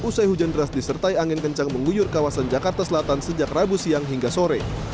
usai hujan deras disertai angin kencang mengguyur kawasan jakarta selatan sejak rabu siang hingga sore